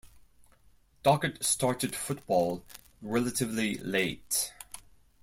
Dockett started football relatively late.